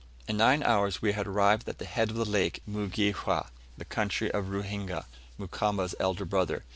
In nine hours we had arrived at the head of the lake in Mugihewa, the country of Ruhinga; Mukamba's elder brother.